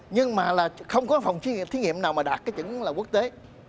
nhưng mà là không có phòng xét nghiệm nào mà đạt cái chuẩn quốc tế